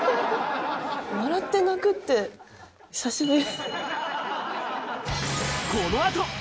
笑って泣くって、久しぶり。